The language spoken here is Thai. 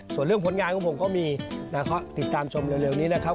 ส่วนเรื่องผลงานของผมก็มีนะครับติดตามชมเร็วนี้นะครับ